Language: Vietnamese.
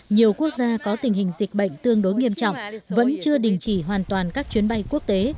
nhiều quốc gia có tình hình dịch bệnh tương đối nghiêm trọng vẫn chưa đình chỉ hoàn toàn các chuyến bay quốc tế